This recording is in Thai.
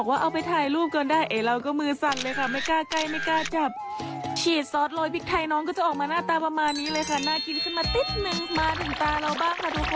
แว๊บแรกที่มาคือรสชาติเค็มของซอสที่ฉีดลงไป